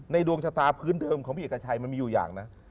ดวงชะตาพื้นเดิมของพี่เอกชัยมันมีอยู่อย่างนะ